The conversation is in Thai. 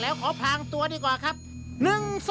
และคู่อย่างฉันวันนี้มีความสุขจริง